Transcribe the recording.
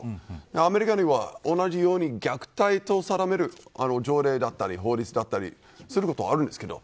アメリカには同じように虐待と定める条例だったり法律もあったりするんですけど